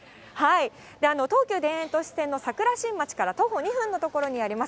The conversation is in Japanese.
東急田園都市線の桜新町から徒歩２分の所にあります